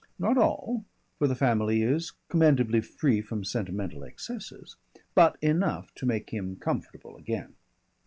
Not all for the family is commendably free from sentimental excesses but enough to make him comfortable again.